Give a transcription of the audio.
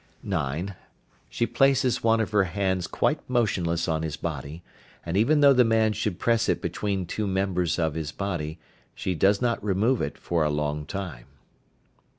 9. She places one of her hands quite motionless on his body, and even though the man should press it between two members of his body, she does not remove it for a long time.